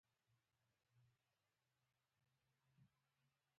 په جهاد لګیا کړل.